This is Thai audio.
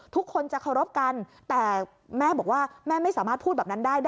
ทุกคนจะเคารพกันแต่แม่บอกว่าแม่ไม่สามารถพูดแบบนั้นได้นะ